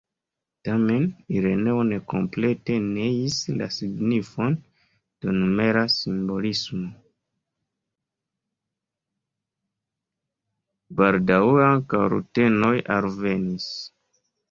Baldaŭe ankaŭ rutenoj alvenis.